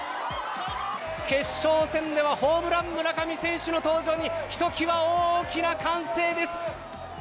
決勝戦ではホームラン村上選手の登場にひときわ大きな歓声です。